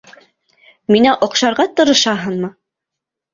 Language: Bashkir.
Миңә оҡшарға тырышаһыңмы?